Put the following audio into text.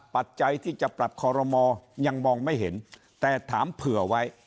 ปัจจัยที่จะปรับคอรมอยังมองไม่เห็นแต่ถามเผื่อไว้